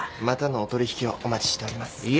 またのお取引をお待ちしております。